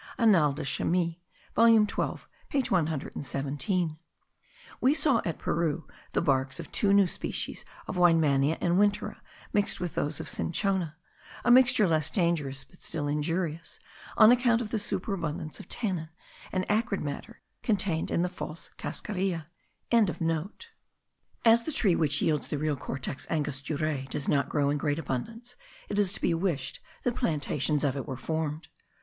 (Annales de Chimie volume 12 page 117.) We saw at Peru the barks of two new species of weinmannia and wintera mixed with those of cinchona; a mixture less dangerous, but still injurious, on account of the superabundance of tannin and acrid matter contained in the false cascarilla.) As the tree which yields the real Cortex angosturae does not grow in great abundance, it is to be wished that plantations of it were formed.